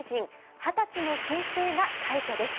２０歳の新星が快挙です。